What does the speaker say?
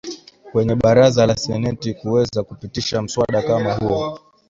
kwenye Baraza la Seneti kuweza kupitisha mswada kama huo